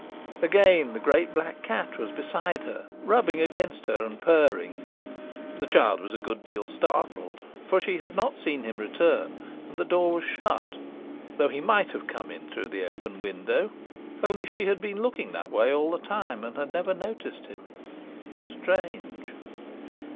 Again the great black cat was beside her, rubbing against her, and purring. The child was a good deal startled, for she had not seen him return, and the door was shut, though he might have come in through the open window, only she had been looking that way all the time, and had never noticed him. Strange!